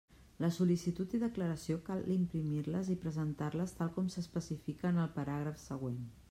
La sol·licitud i declaració cal imprimir-les i presentar-les tal com s'especifica en el paràgraf següent.